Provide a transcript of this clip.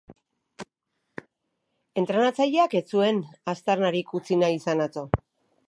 Entrenatzaileak ez zuen aztarnarik utzi nahi izan atzo.